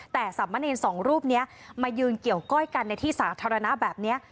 แต่สามเณรสองรูปนี้มายืนเกี่ยวก้อยกันในที่สาธารณะแบบนี้